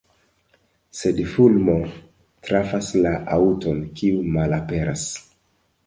Sed fulmo trafas la aŭton, kiu malaperas.